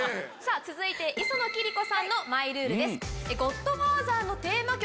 続いて磯野貴理子さんのマイルールです。